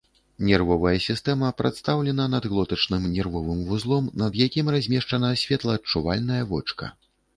Нервовая сістэма прадстаўлена надглотачным нервовым вузлом, над якім размешчана святлоадчувальнае вочка.